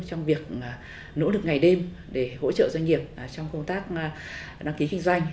trong việc nỗ lực ngày đêm để hỗ trợ doanh nghiệp trong công tác đăng ký kinh doanh